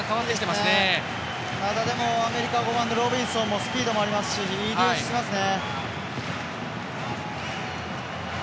まだでもアメリカはロビンソンもスピードもありますしいいディフェンスしてますね。